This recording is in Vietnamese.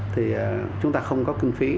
thì chúng ta không có kinh phí